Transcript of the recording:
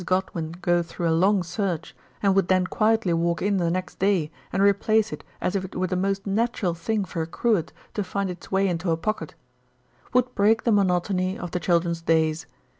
29 Godwin go through a long search, and would then quietly walk in the next day and replace it as if it were the most natural thing for a cruet to find its way into a pocket), would break the monotony of the children's days.